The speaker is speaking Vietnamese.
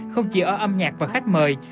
không chỉ ở âm nhạc và khách mời